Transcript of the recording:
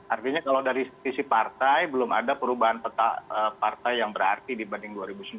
artinya kalau dari sisi partai belum ada perubahan peta partai yang berarti dibanding dua ribu sembilan belas